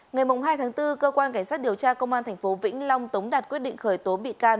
ngày hai tháng bốn cơ quan cảnh sát điều tra công an tp vĩnh long tống đạt quyết định khởi tố bị can